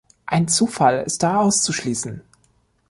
Ein Zufall ist da auszuschließen.